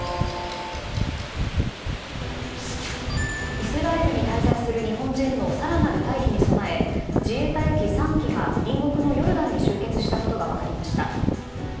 イスラエルに滞在する日本人の更なる退避に備え自衛隊機３機が隣国のヨルダンに集結したことが分かりました。